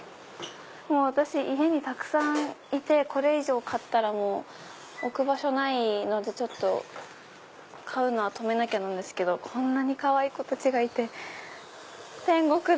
私家にたくさんいてこれ以上買ったら置く場所ないので買うのは止めなきゃなんですけどこんなにかわいい子たちがいて天国だ。